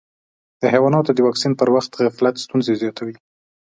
د حیواناتو د واکسین پر وخت غفلت ستونزې زیاتوي.